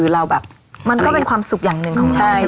เราแบบมันก็เป็นความสุขอย่างนึงของเราใช่ไหมคะ